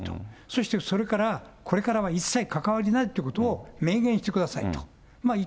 そしてそれから、これからは一切関わりないということを明言してくださいと。